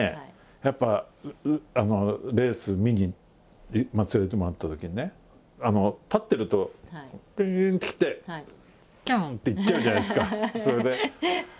やっぱレース見に連れて行ってもらったときにね立ってるとピュンって来てキュンって行っちゃうじゃないですかそれで。